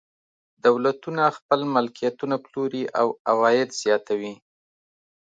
دولتونه خپل ملکیتونه پلوري او عواید زیاتوي.